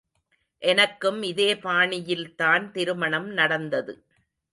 எனக்கும் இதே பாணியில்தான் திருமணம் நடந்தது.